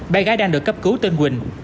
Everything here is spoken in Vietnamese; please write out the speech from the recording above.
bà gái đang được cấp cứu tên quỳnh